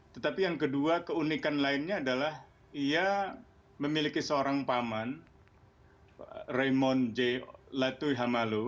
tetapi yang kedua keunikan lainnya adalah ia memiliki seorang paman raymond j latuy hamalu